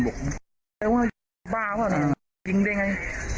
บอกบ้าว่ะยิงได้ไง